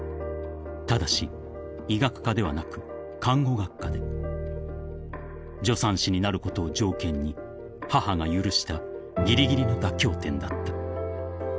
［ただし医学科ではなく看護学科で助産師になることを条件に母が許したぎりぎりの妥協点だった］